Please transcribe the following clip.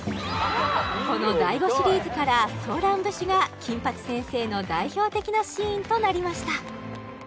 この第５シリーズから「ソーラン節」が「金八先生」の代表的なシーンとなりました